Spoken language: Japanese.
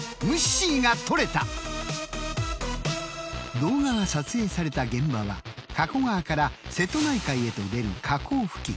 動画が撮影された現場は加古川から瀬戸内海へと出る河口付近。